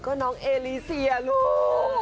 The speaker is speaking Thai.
ก็น้องเอลีเซียลูก